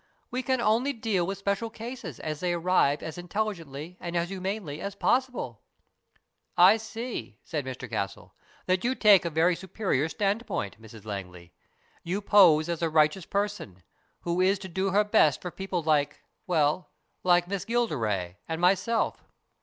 We can only deal with special cases as they arrive as intelligently and as humanely as possible." " I see," said Mr Castle, " that you take a very superior standpoint, Mrs Langley. You pose as a righteous person, who is to do her best for people like well, like Miss Gilderay and myself."